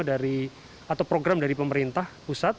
dan juga program dari pemerintah pusat